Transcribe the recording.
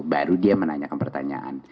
baru dia menanyakan pertanyaan